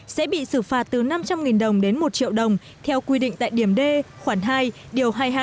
sẽ bị xử phạt từ năm trăm linh đồng đến một triệu đồng theo quy định tại điểm d khoản hai điều hai mươi hai